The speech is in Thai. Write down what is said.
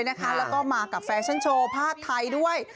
แล้วก็มากับแฟชั่นโชว์ผ้าไทยด้วย